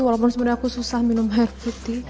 walaupun sebenarnya aku susah minum air putih